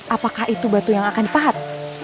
apakah itu batu yang akan pahat